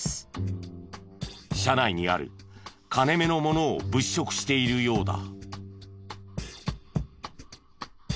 車内にある金目のものを物色しているようだ。